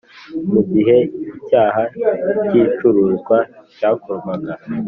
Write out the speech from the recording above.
mu gihe icyaha cy icuruzwa cyakorwaga